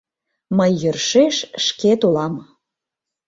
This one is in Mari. Мый йӧршеш шкет улам...